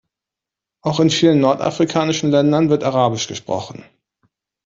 Auch in vielen nordafrikanischen Ländern wird arabisch gesprochen.